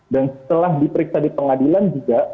dan setelah diperiksa di pengadilan juga